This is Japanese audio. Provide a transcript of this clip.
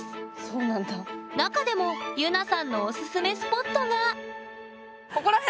中でもゆなさんのおすすめスポットがここら辺？